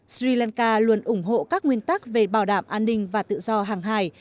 sri lanka luôn ủng hộ các nguyên tắc về bảo đảm an ninh và tự do hàng hải